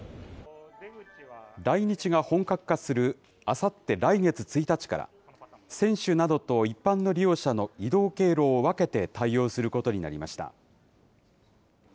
来日が本格化するあさって・来月１日から、選手などと一般の利用者の移動経路を分けて対応することになりました。